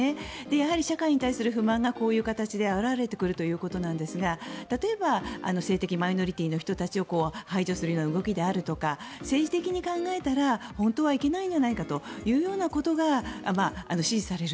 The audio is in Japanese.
やはり、社会に対する不満がこういう形で表れてくるということなんですが例えば性的マイノリティーの人たちを排除するような動きであるとか政治的に考えたら本当はいけないんじゃないかというようなことが支持される。